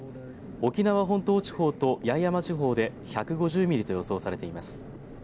沖縄本島地方と八重山地方で１５０ミリと予想されています。